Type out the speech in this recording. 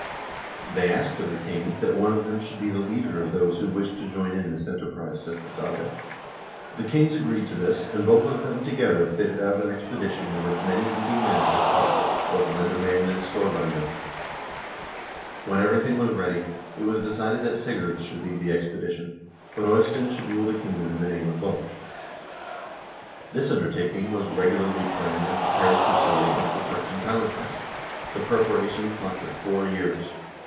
"They asked of the kings that one of them should be the leader of those who wished to join in this enterprise," says the saga. "The kings agreed to this, and both of them together fitted out an expedition in which many leading men took part, both lendermcend and storbfinder. When everything was ready, it was decided that Sigurd should lead the expedition, but Eystein should rule the kingdom in the name of both." 2 This undertaking was a regularly planned and prepared crusade against the Turks in Palestine. The preparations lasted four years.